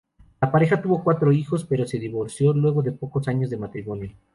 La pareja tuvo cuatro hijos, pero se divorció luego de pocos años de matrimonio.